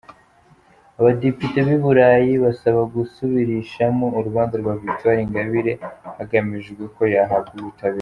– Abadepite b’i Burayi basaba gusubirishamo urubanza rwa Victoire Ingabire, hagamijwe ko yahabwa ubutabera.